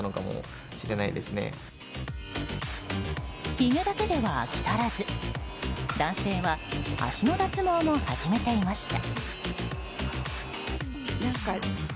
ひげだけでは飽き足らず男性は足の脱毛も始めていました。